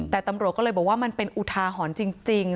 แต่ตำรวจก็เลยบอกว่ามันเป็นอุทาหรณ์จริง